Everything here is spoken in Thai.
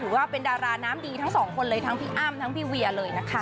ว่าเป็นดาราน้ำดีทั้งสองคนเลยทั้งพี่อ้ำทั้งพี่เวียเลยนะคะ